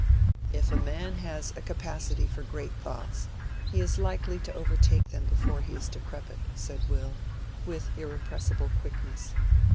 "If a man has a capacity for great thoughts, he is likely to overtake them before he is decrepit," said Will, with irrepressible quickness.